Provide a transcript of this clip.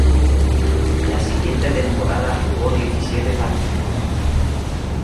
La siguiente temporada jugó diecisiete partidos.